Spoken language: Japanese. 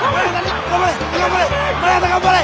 頑張れ！